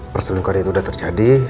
perselingkuhan itu udah terjadi